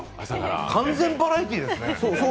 完全バラエティーですね。